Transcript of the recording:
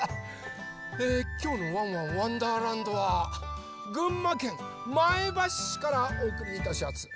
えきょうの「ワンワンわんだーらんど」は群馬県前橋市からおおくりいたしやす。